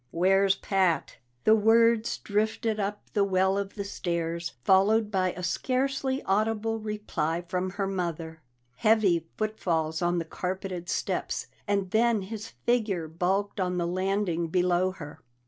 "Where's Pat?" The words drifted up the well of the stairs, followed by a scarcely audible reply from her mother. Heavy footfalls on the carpeted steps, and then his figure bulked on the landing below her.